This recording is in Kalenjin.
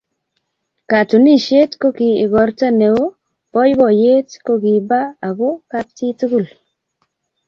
Katunisyet kokiigorta neo, boiboiyet kokiba ako kapchi tugul.